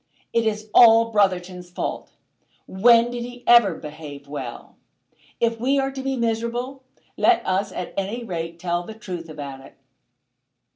It is all Brotherton's fault. When did he ever behave well? If we are to be miserable, let us at any rate tell the truth about it."